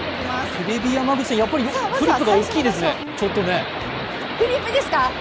テレビ山口さん、フリップが大きいですね。